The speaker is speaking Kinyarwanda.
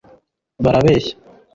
barabeshya